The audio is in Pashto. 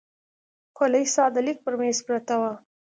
خولۍ ستا د لیک پر مېز پرته وه.